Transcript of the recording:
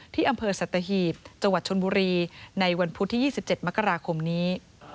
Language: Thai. ที่อำเภอสัตวิทย์จ้านบุรีในวันพุธที่ยี่สิบเจ็ดมกราคมนี้